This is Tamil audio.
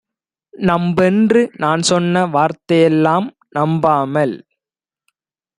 நம்பென்று நான்சொன்ன வார்த்தையெல்லாம் நம்பாமல்